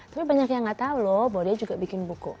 tapi banyak yang nggak tahu loh bahwa dia juga bikin buku